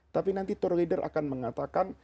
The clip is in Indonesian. tapi nanti tour leader akan mengatakan